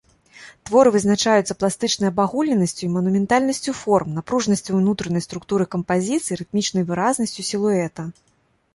Творы вызначаюцца пластычнай абагульненасцю і манументальнасцю форм, напружанасцю ўнутранай структуры кампазіцыі, рытмічнай выразнасцю сілуэта.